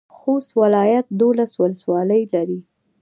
خوست ولایت دولس ولسوالۍ لري.